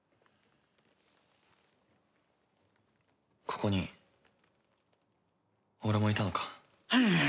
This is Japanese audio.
ここに俺もいたのか？